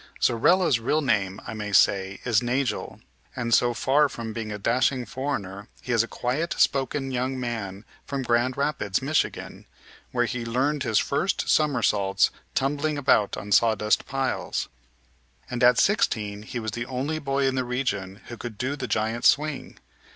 Zorella's real name, I may say, is Nagel, and so far from being a dashing foreigner, he is a quiet spoken young man from Grand Rapids, Michigan, where he learned his first somersaults tumbling about on sawdust piles. And at sixteen he was the only boy in the region who could do the giant swing.